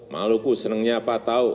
maluku senangnya apa tahu